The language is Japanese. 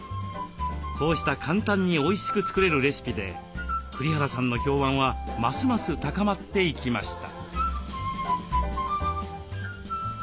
こうした簡単においしく作れるレシピで栗原さんの評判はますます高まっていきました。